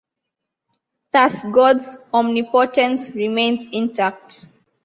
Thus God's omnipotence remains intact.